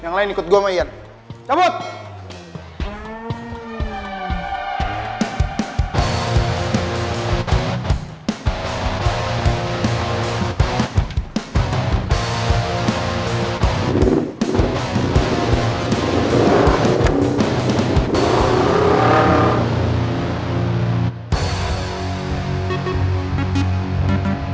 yang lain ikut gua sama ian